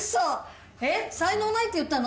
えっ、才能ないって言ったの？